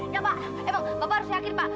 ya pak emang bapak harus yakin pak